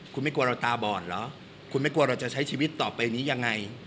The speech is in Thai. คุณไม่กลัวเราตาบอดเหรอคุณไม่กลัวเราจะใช้ชีวิตต่อไปนี้ยังไง